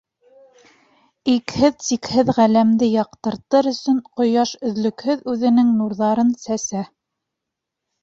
Икһеҙ-сикһеҙ Ғаләмде яҡтыртыр өсөн Ҡояш өҙлөкһөҙ үҙенең нурҙарын сәсә.